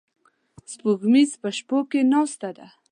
د سپوږمۍ په شپو کې ناسته ده